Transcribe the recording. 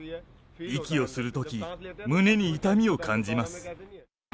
息をするとき、胸に痛みを感じます。